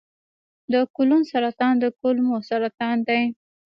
د کولون سرطان د کولمو سرطان دی.